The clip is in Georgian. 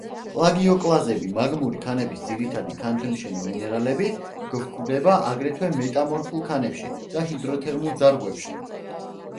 პლაგიოკლაზები მაგმური ქანების ძირითადი ქანთმაშენი მინერალები, გვხვდება აგრეთვე მეტამორფულ ქანებში და ჰიდროთერმულ ძარღვებში.